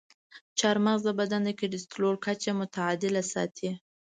چارمغز د بدن د کلسترول کچه متعادله ساتي.